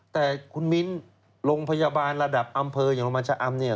แต่คุณมิ้นโรงพยาบาลระดับอำเภาอย่างลมอัมเนี่ย